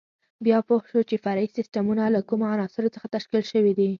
بیا پوه شو چې فرعي سیسټمونه له کومو عناصرو څخه تشکیل شوي دي.